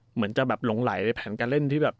เหมือนจะแบบหลงไหลในแผนการเล่นที่แบบ